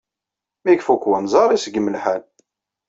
Mi ifuk wenẓar, iṣeggem lḥal.